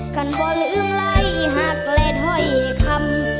คันบ่ลืมไหลหักเล็ดห้อยคำ